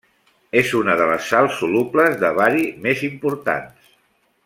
És una de les sals solubles de bari més importants.